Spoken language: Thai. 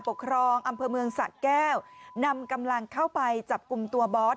ปกครองอำเภอเมืองสัตว์แก้วนำกำลังเข้าไปจับกุมตัวบอส